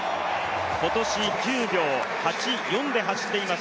今年９秒８４で走っています